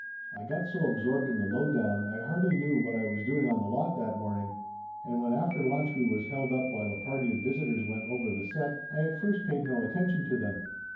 I got so absorbed in the lowdown I hardly knew what I was doing on the lot that morning and when after lunch we was held up while a party of visitors went over the set I at first paid no attention to them.